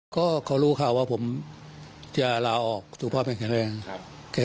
ก็เขารู้ค่ะว่าผมจะลาออกสู่พ่อแม่งแขนแรงครับ